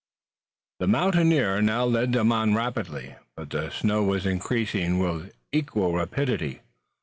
The mountaineer now led them on rapidly, but the snow was increasing with equal rapidity.